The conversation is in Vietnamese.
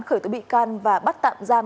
khởi tố bị can và bắt tạm giam